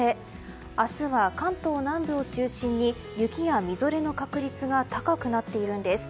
明日は関東南部を中心に雪やみぞれの確率が高くなっているんです。